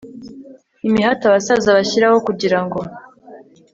imihati abasaza bashyiraho kugira ngo